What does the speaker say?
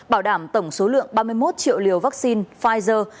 bảo đảm tổng số lượng ba mươi một triệu liều vaccine pfizer